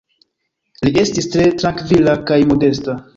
Li estis tre trankvila kaj modesta.